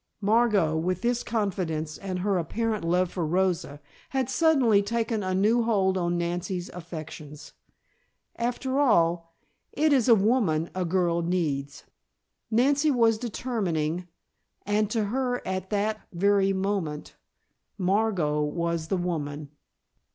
Margot, with this confidence and her apparent love for Rosa, had suddenly taken a new hold on Nancy's affections. After all, it is a woman a girl needs, Nancy was determining, and to her at that very moment Margot was the woman.